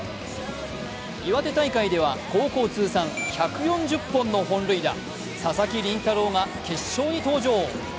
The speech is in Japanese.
岩手大会では高校通算１４０本の本塁打、佐々木麟太郎が決勝に登場。